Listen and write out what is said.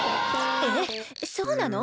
えっそうなの？